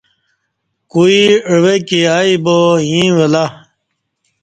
کوئی عوہ کی ا ئی با ایں ولہ